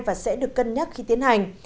và sẽ được cân nhắc khi tiến hành